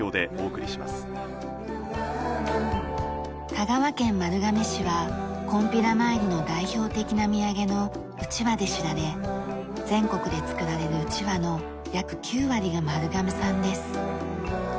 香川県丸亀市はこんぴら参りの代表的な土産のうちわで知られ全国で作られるうちわの約９割が丸亀産です。